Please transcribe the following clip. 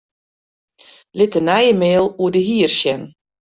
Lit de nije mail oer de hier sjen.